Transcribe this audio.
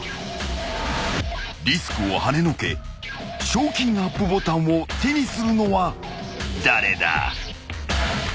［リスクをはねのけ賞金アップボタンを手にするのは誰だ？］